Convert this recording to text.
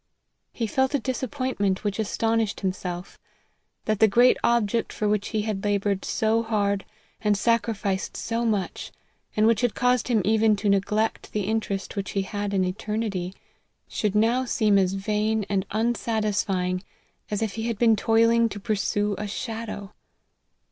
He felt a disappointment which astonished himself, that the great object for which he had laboured so hard, and sacrificed so much, and which had caused him even to neglect the interest which he had in eternity, should now seem as vain and unsatisfying, as if he had been toiling to pursue a shadow